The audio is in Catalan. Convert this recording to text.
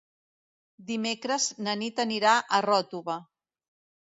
Dimecres na Nit anirà a Ròtova.